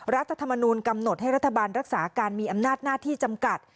รัฐธรรมนูลกำหนดให้รัฐบาลรักษาการมีอำนาจหน้าที่จำกัด